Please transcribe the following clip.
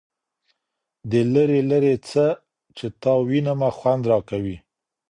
د ليري، ليري څه چي تا وينمه خوند راكوي